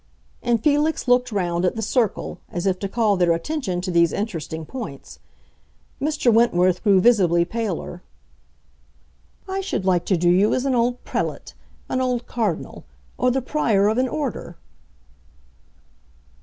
And Felix looked round at the circle, as if to call their attention to these interesting points. Mr. Wentworth grew visibly paler. "I should like to do you as an old prelate, an old cardinal, or the prior of an order."